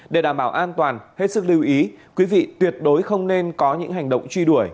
để đảm bảo an toàn hết sức lưu ý quý vị tuyệt đối không nên có những hành động truy đuổi